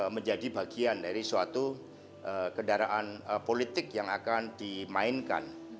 menjadi bagian dari suatu kendaraan politik yang akan dimainkan